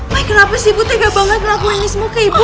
mike kenapa sih ibu tegak banget ngelakuin ini semua ke ibu